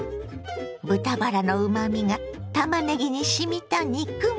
豚バラのうまみがたまねぎにしみた肉巻き。